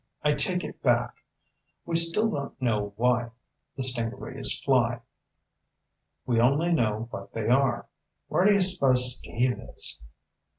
"I take it back. We still don't know why the stingarees fly. We only know what they are. Where do you suppose Steve is?"